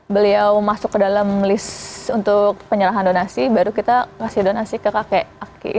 beliau masuk ke dalam list untuk penyerahan donasi baru kita kasih donasi ke kakek aki